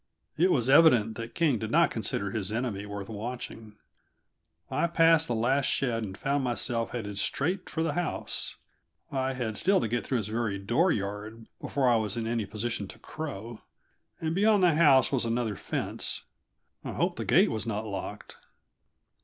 It was evident that King did not consider his enemy worth watching. I passed the last shed and found myself headed straight for the house; I had still to get through its very dooryard before I was in any position to crow, and beyond the house was another fence; I hoped the gate was not locked.